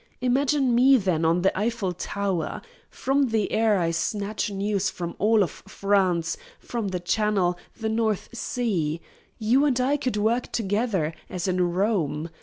Imagine me, then, on the Eiffel Tower. From the air I snatch news from all of France, from the Channel, the North Sea. You and I could work together, as in Rome.